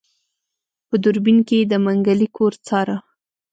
په دوربين کې يې د منګلي کور څاره.